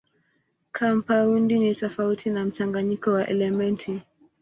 Kampaundi ni tofauti na mchanganyiko wa elementi.